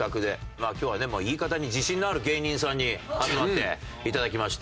まあ今日はでも言い方に自信のある芸人さんに集まっていただきまして。